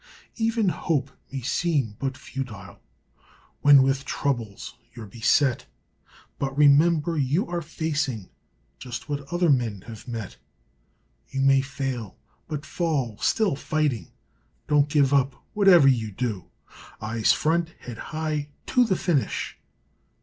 Even hope may seem but futile, When with troubles you're beset, But remember you are facing Just what other men have met. You may fail, but fall still fighting; Don't give up, whate'er you do; Eyes front, head high to the finish.